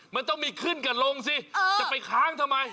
มันต้องมีขึ้นกับลงสิจะไปค้างทำไม